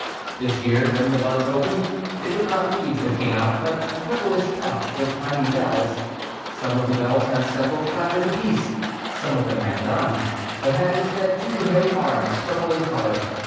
This year, when the buds opened, it was not leaves that came out, but purplish tufts of tiny bells (Fig. 4). Some of the bells had several clappers apiece, some of them had none, but had instead two hairy (i arms, purple in color.